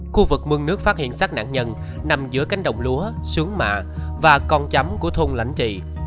khu vực mương nước phát hiện sát nạn nhân nằm giữa cánh đồng lúa sướng mạ và con chấm của thôn lãnh trị